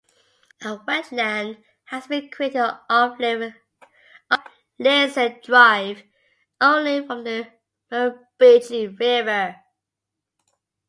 A wetland has been created off Lizard Drive, only from the Murrumbidgee River.